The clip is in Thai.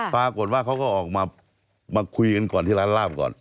ปรากฏว่าเขาก็ออกมาคุยกันก่อนที่ร้านลาบก่อน